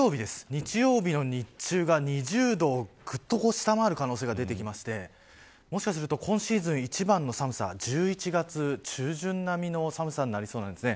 日曜日の日中が２０度を下回る可能性が出てきていてもしかすると今シーズン一番の寒さ１１月中旬並みの寒さになりそうなんです。